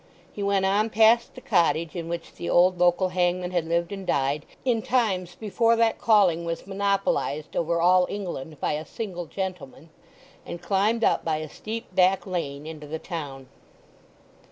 He went on past the cottage in which the old local hangman had lived and died, in times before that calling was monopolized over all England by a single gentleman; and climbed up by a steep back lane into the town.